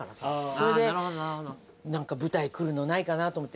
それで舞台来るのないかなと思って。